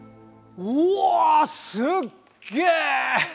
うわすっげえ！